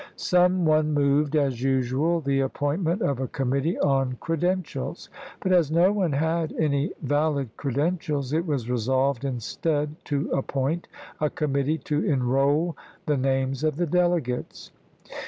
Some one moved, as usual, the appointment of a committee on credentials ; but as no one had any valid credentials, it was resolved instead to appoint a committee to enroll the names of the delegates.